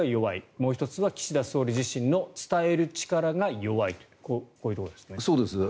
もう１つは岸田総理自身の伝える力が弱いとこういうところですね。